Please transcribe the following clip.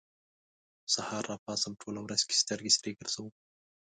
سهار راپاڅم، ټوله ورځ کې سترګې سرې ګرځوم